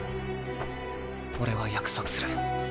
俺は約束する。